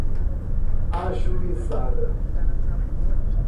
ajuizada